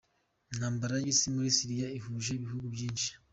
Intambara y’Isi muri Syria ihuje ibihugu byinshi.